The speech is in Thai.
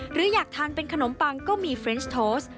หรืออยากทานเป็นขนมปังก็มีเฟรนส์โทส